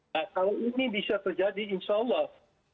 nah kalau ini bisa terjadi insya allah